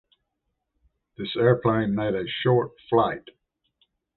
This airplane made a short flight.